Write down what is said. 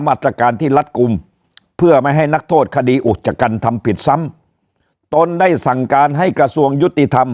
มาตรการที่รัดกลุ่มเพื่อไม่ให้นักโทษคดีอุจจกรรมทำผิดซ้ำตนได้สั่งการให้กระทรวงยุติธรรม